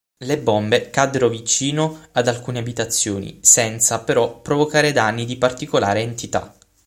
Le bombe caddero vicino ad alcune abitazioni senza, però, provocare danni di particolare entità.